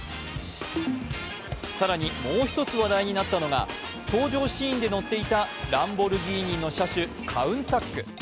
更にもう一つ話題になったのが登場シーンで乗っていたランボルギーニの車種カウンタック。